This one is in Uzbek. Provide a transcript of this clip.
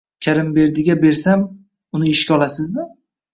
Karimberdiga bersam, uni ishga olasizmi?